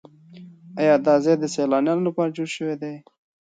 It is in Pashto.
ایا دا ځای د سیلانیانو لپاره جوړ شوی دی؟